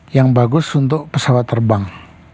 yang bagus untuk pesawat terbang